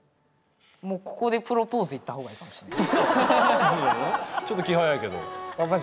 もうここでプロポーズいった方がいいかもしれない。